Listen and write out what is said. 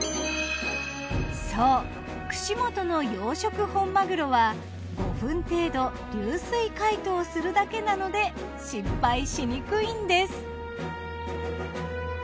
そう串本の養殖本マグロは５分程度流水解凍するだけなので失敗しにくいんです。